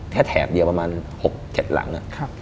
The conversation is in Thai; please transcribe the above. แถบเดียวประมาณ๖๗หลัง